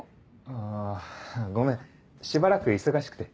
あごめんしばらく忙しくて。